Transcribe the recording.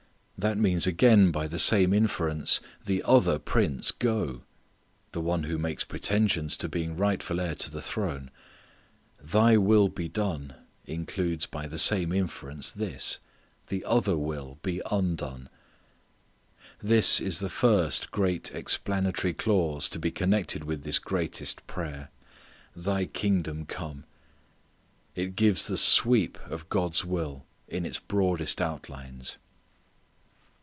That means again by the same inference, "the other prince go," the one who makes pretensions to being rightful heir to the throne. "Thy will be done" includes by the same inference this: "the other will be undone." This is the first great explanatory clause to be connected with this greatest prayer, "Thy kingdom come." It gives the sweep of God's will in its broadest outlines.